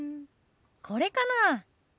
これかな。